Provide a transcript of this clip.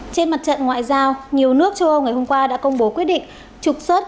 trên mặt trận ngoại giao nhiều nước châu âu ngày hôm qua đã công bố quyết định trục xuất